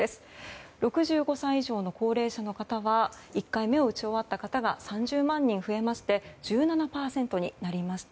６５歳以上の高齢者の方は１回目を打ち終わった方が３０万人増えまして１７％になりました。